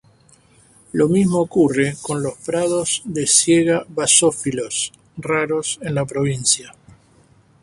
Lo mismo ocurre con los prados de siega basófilos, raros en la provincia.